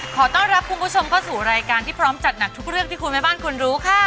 ขอต้อนรับคุณผู้ชมเข้าสู่รายการที่พร้อมจัดหนักทุกเรื่องที่คุณแม่บ้านคุณรู้ค่ะ